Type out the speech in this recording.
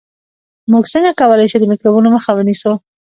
موږ څنګه کولای شو د میکروبونو مخه ونیسو